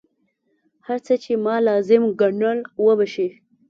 هر څه چې ما لازم ګڼل وبه شي.